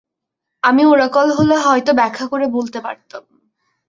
আমি ওরাকল হলে হয়তো ব্যাখ্যা করে বলতে পারতাম।